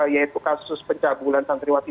yaitu kasus pencabulan santriwati